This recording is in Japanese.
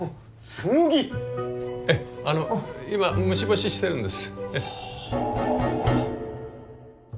ええあの今虫干ししてるんです。